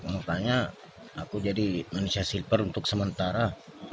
makanya aku jadi manusia silver untuk sementara